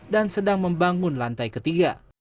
dan sedang membangun lantai ketiga